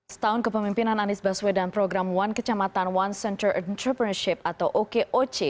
setahun kepemimpinan anies baswedan program one kecamatan one center entrepreneurship atau okoc